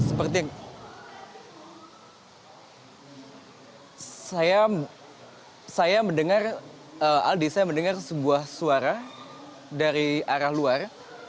seperti yang saya mendengar aldi saya mendengar sebuah suara dari arah luar